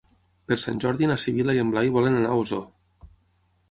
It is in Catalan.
Per Sant Jordi na Sibil·la i en Blai volen anar a Osor.